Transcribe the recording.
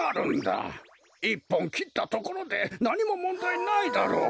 １ぽんきったところでなにももんだいないだろう。